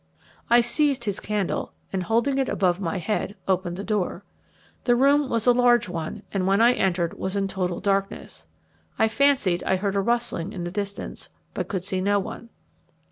I seized his candle, and holding it above my head, opened the door. The room was a large one, and when I entered was in total darkness. I fancied I heard a rustling in the distance, but could see no one.